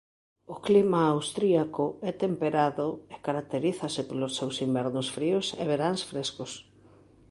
O clima austríaco é temperado e caracterízase polos seus invernos fríos e veráns frescos.